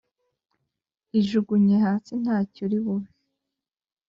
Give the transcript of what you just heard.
ijugunye hasi ntacyo uribube